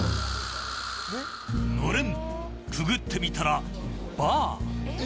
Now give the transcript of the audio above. のれんくぐってみたら、バー。